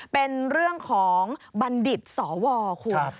เป็นเรื่องของบัณฑิตสวคุณ